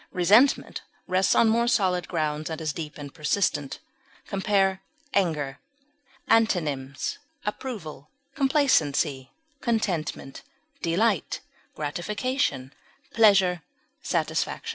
Resentment rests on more solid grounds, and is deep and persistent. Compare ANGER. Antonyms: approval, contentment, gratification, pleasure, satisfaction.